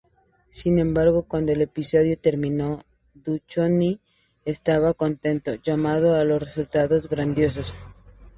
Sin embargo, cuando el episodio terminó, Duchovny estaba contento, llamando a los resultados "grandiosos".